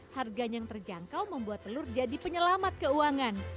harganya yang terjangkau membuat telur jadi penyelamat keuangan